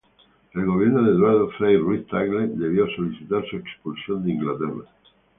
El Gobierno de Eduardo Frei Ruiz-Tagle debió solicitar su expulsión de Inglaterra.